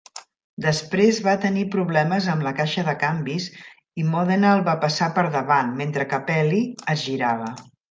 Després va tenir problemes amb la caixa de canvis i Modena el va passar per davant mentre Capelli es girava.